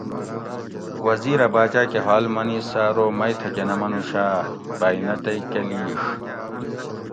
وزیر اۤ باۤچاۤ کہ حال منی سہۤ ارو مئ تھکہۤ نہ منوش آۤ ؟ بئ نہۤ تئ کہ لِیڛ